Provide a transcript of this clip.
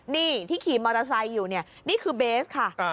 นี่ที่ขี่มอเตอร์ไซค์อยู่เนี่ยนี่คือเบสค่ะ